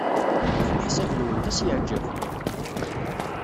Ɣef leḥsab-nwent, ad as-yeɛjeb?